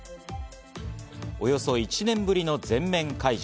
およそ１年ぶりの全面解除。